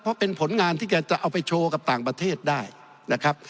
เพราะเป็นผลงานที่แกจะเอาไปโชว์กับต่างประเทศได้นะครับ